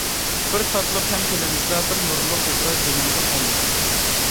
بىر تاتلىق تەم تىلىمىزدا، بىر نۇرلۇق ئوبراز دىلىمىزدا قالدى.